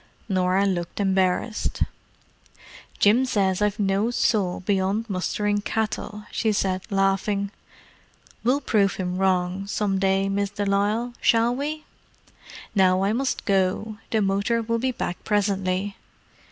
Norah looked embarrassed. "Jim says I've no soul beyond mustering cattle," she said, laughing. "We'll prove him wrong, some day, Miss de Lisle, shall we? Now I must go: the motor will be back presently."